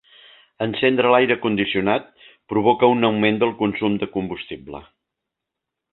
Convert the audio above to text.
Encendre l'aire condicionat provoca un augment del consum de combustible.